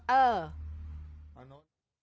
เออ